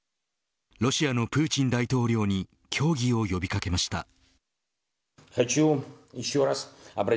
ロシアのプーチン大統領に協議を呼び掛けました。